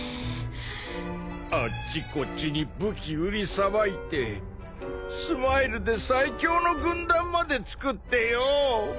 あっちこっちに武器売りさばいてＳＭＩＬＥで最強の軍団までつくってよぉ。